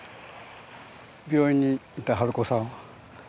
病院にいた春子さん。